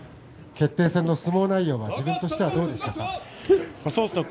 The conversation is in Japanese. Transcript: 決定戦の相撲内容は自分としてはどうでしたか？